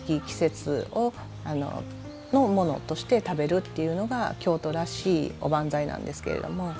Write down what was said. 季節のものとして食べるっていうのが京都らしいおばんざいなんですけれども。